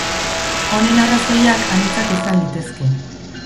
Honen arrazoiak anitzak izan litezke.